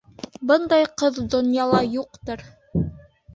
— Бындай ҡыҙ донъяла юҡтыр!